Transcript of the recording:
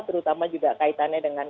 terutama juga kaitannya dengan